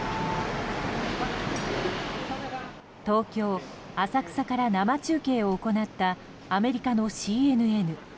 東京・浅草から生中継を行ったアメリカのＣＮＮ。